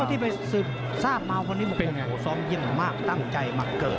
เท่าที่ไปสืบทราบมาวว์พอสลมที่เยี่ยมมากตั้งใจมาเกิด